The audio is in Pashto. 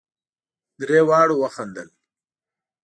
درې واړو وخندل.